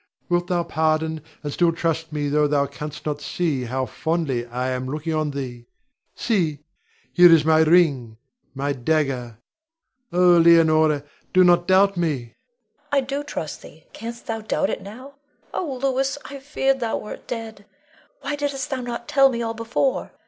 Wilt thou pardon, and still trust me tho' thou canst not see how fondly I am looking on thee. See! here is my ring, my dagger. Oh, Leonore, do not doubt me! Leonore. I do trust thee; canst thou doubt it now? Oh, Louis! I feared thou wert dead. Why didst thou not tell me all before.